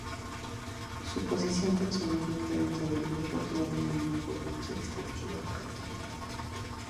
Su posición taxonómica dentro del grupo todavía no ha podido ser establecida correctamente.